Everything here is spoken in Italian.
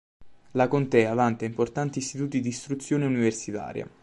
La contea vanta importanti istituti di istruzione universitaria.